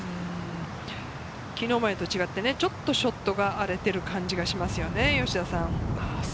昨日までと違って、ちょっとショットが荒れてる感じがしますよね、吉田さん。